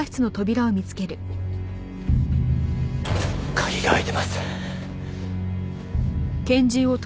鍵が開いてます。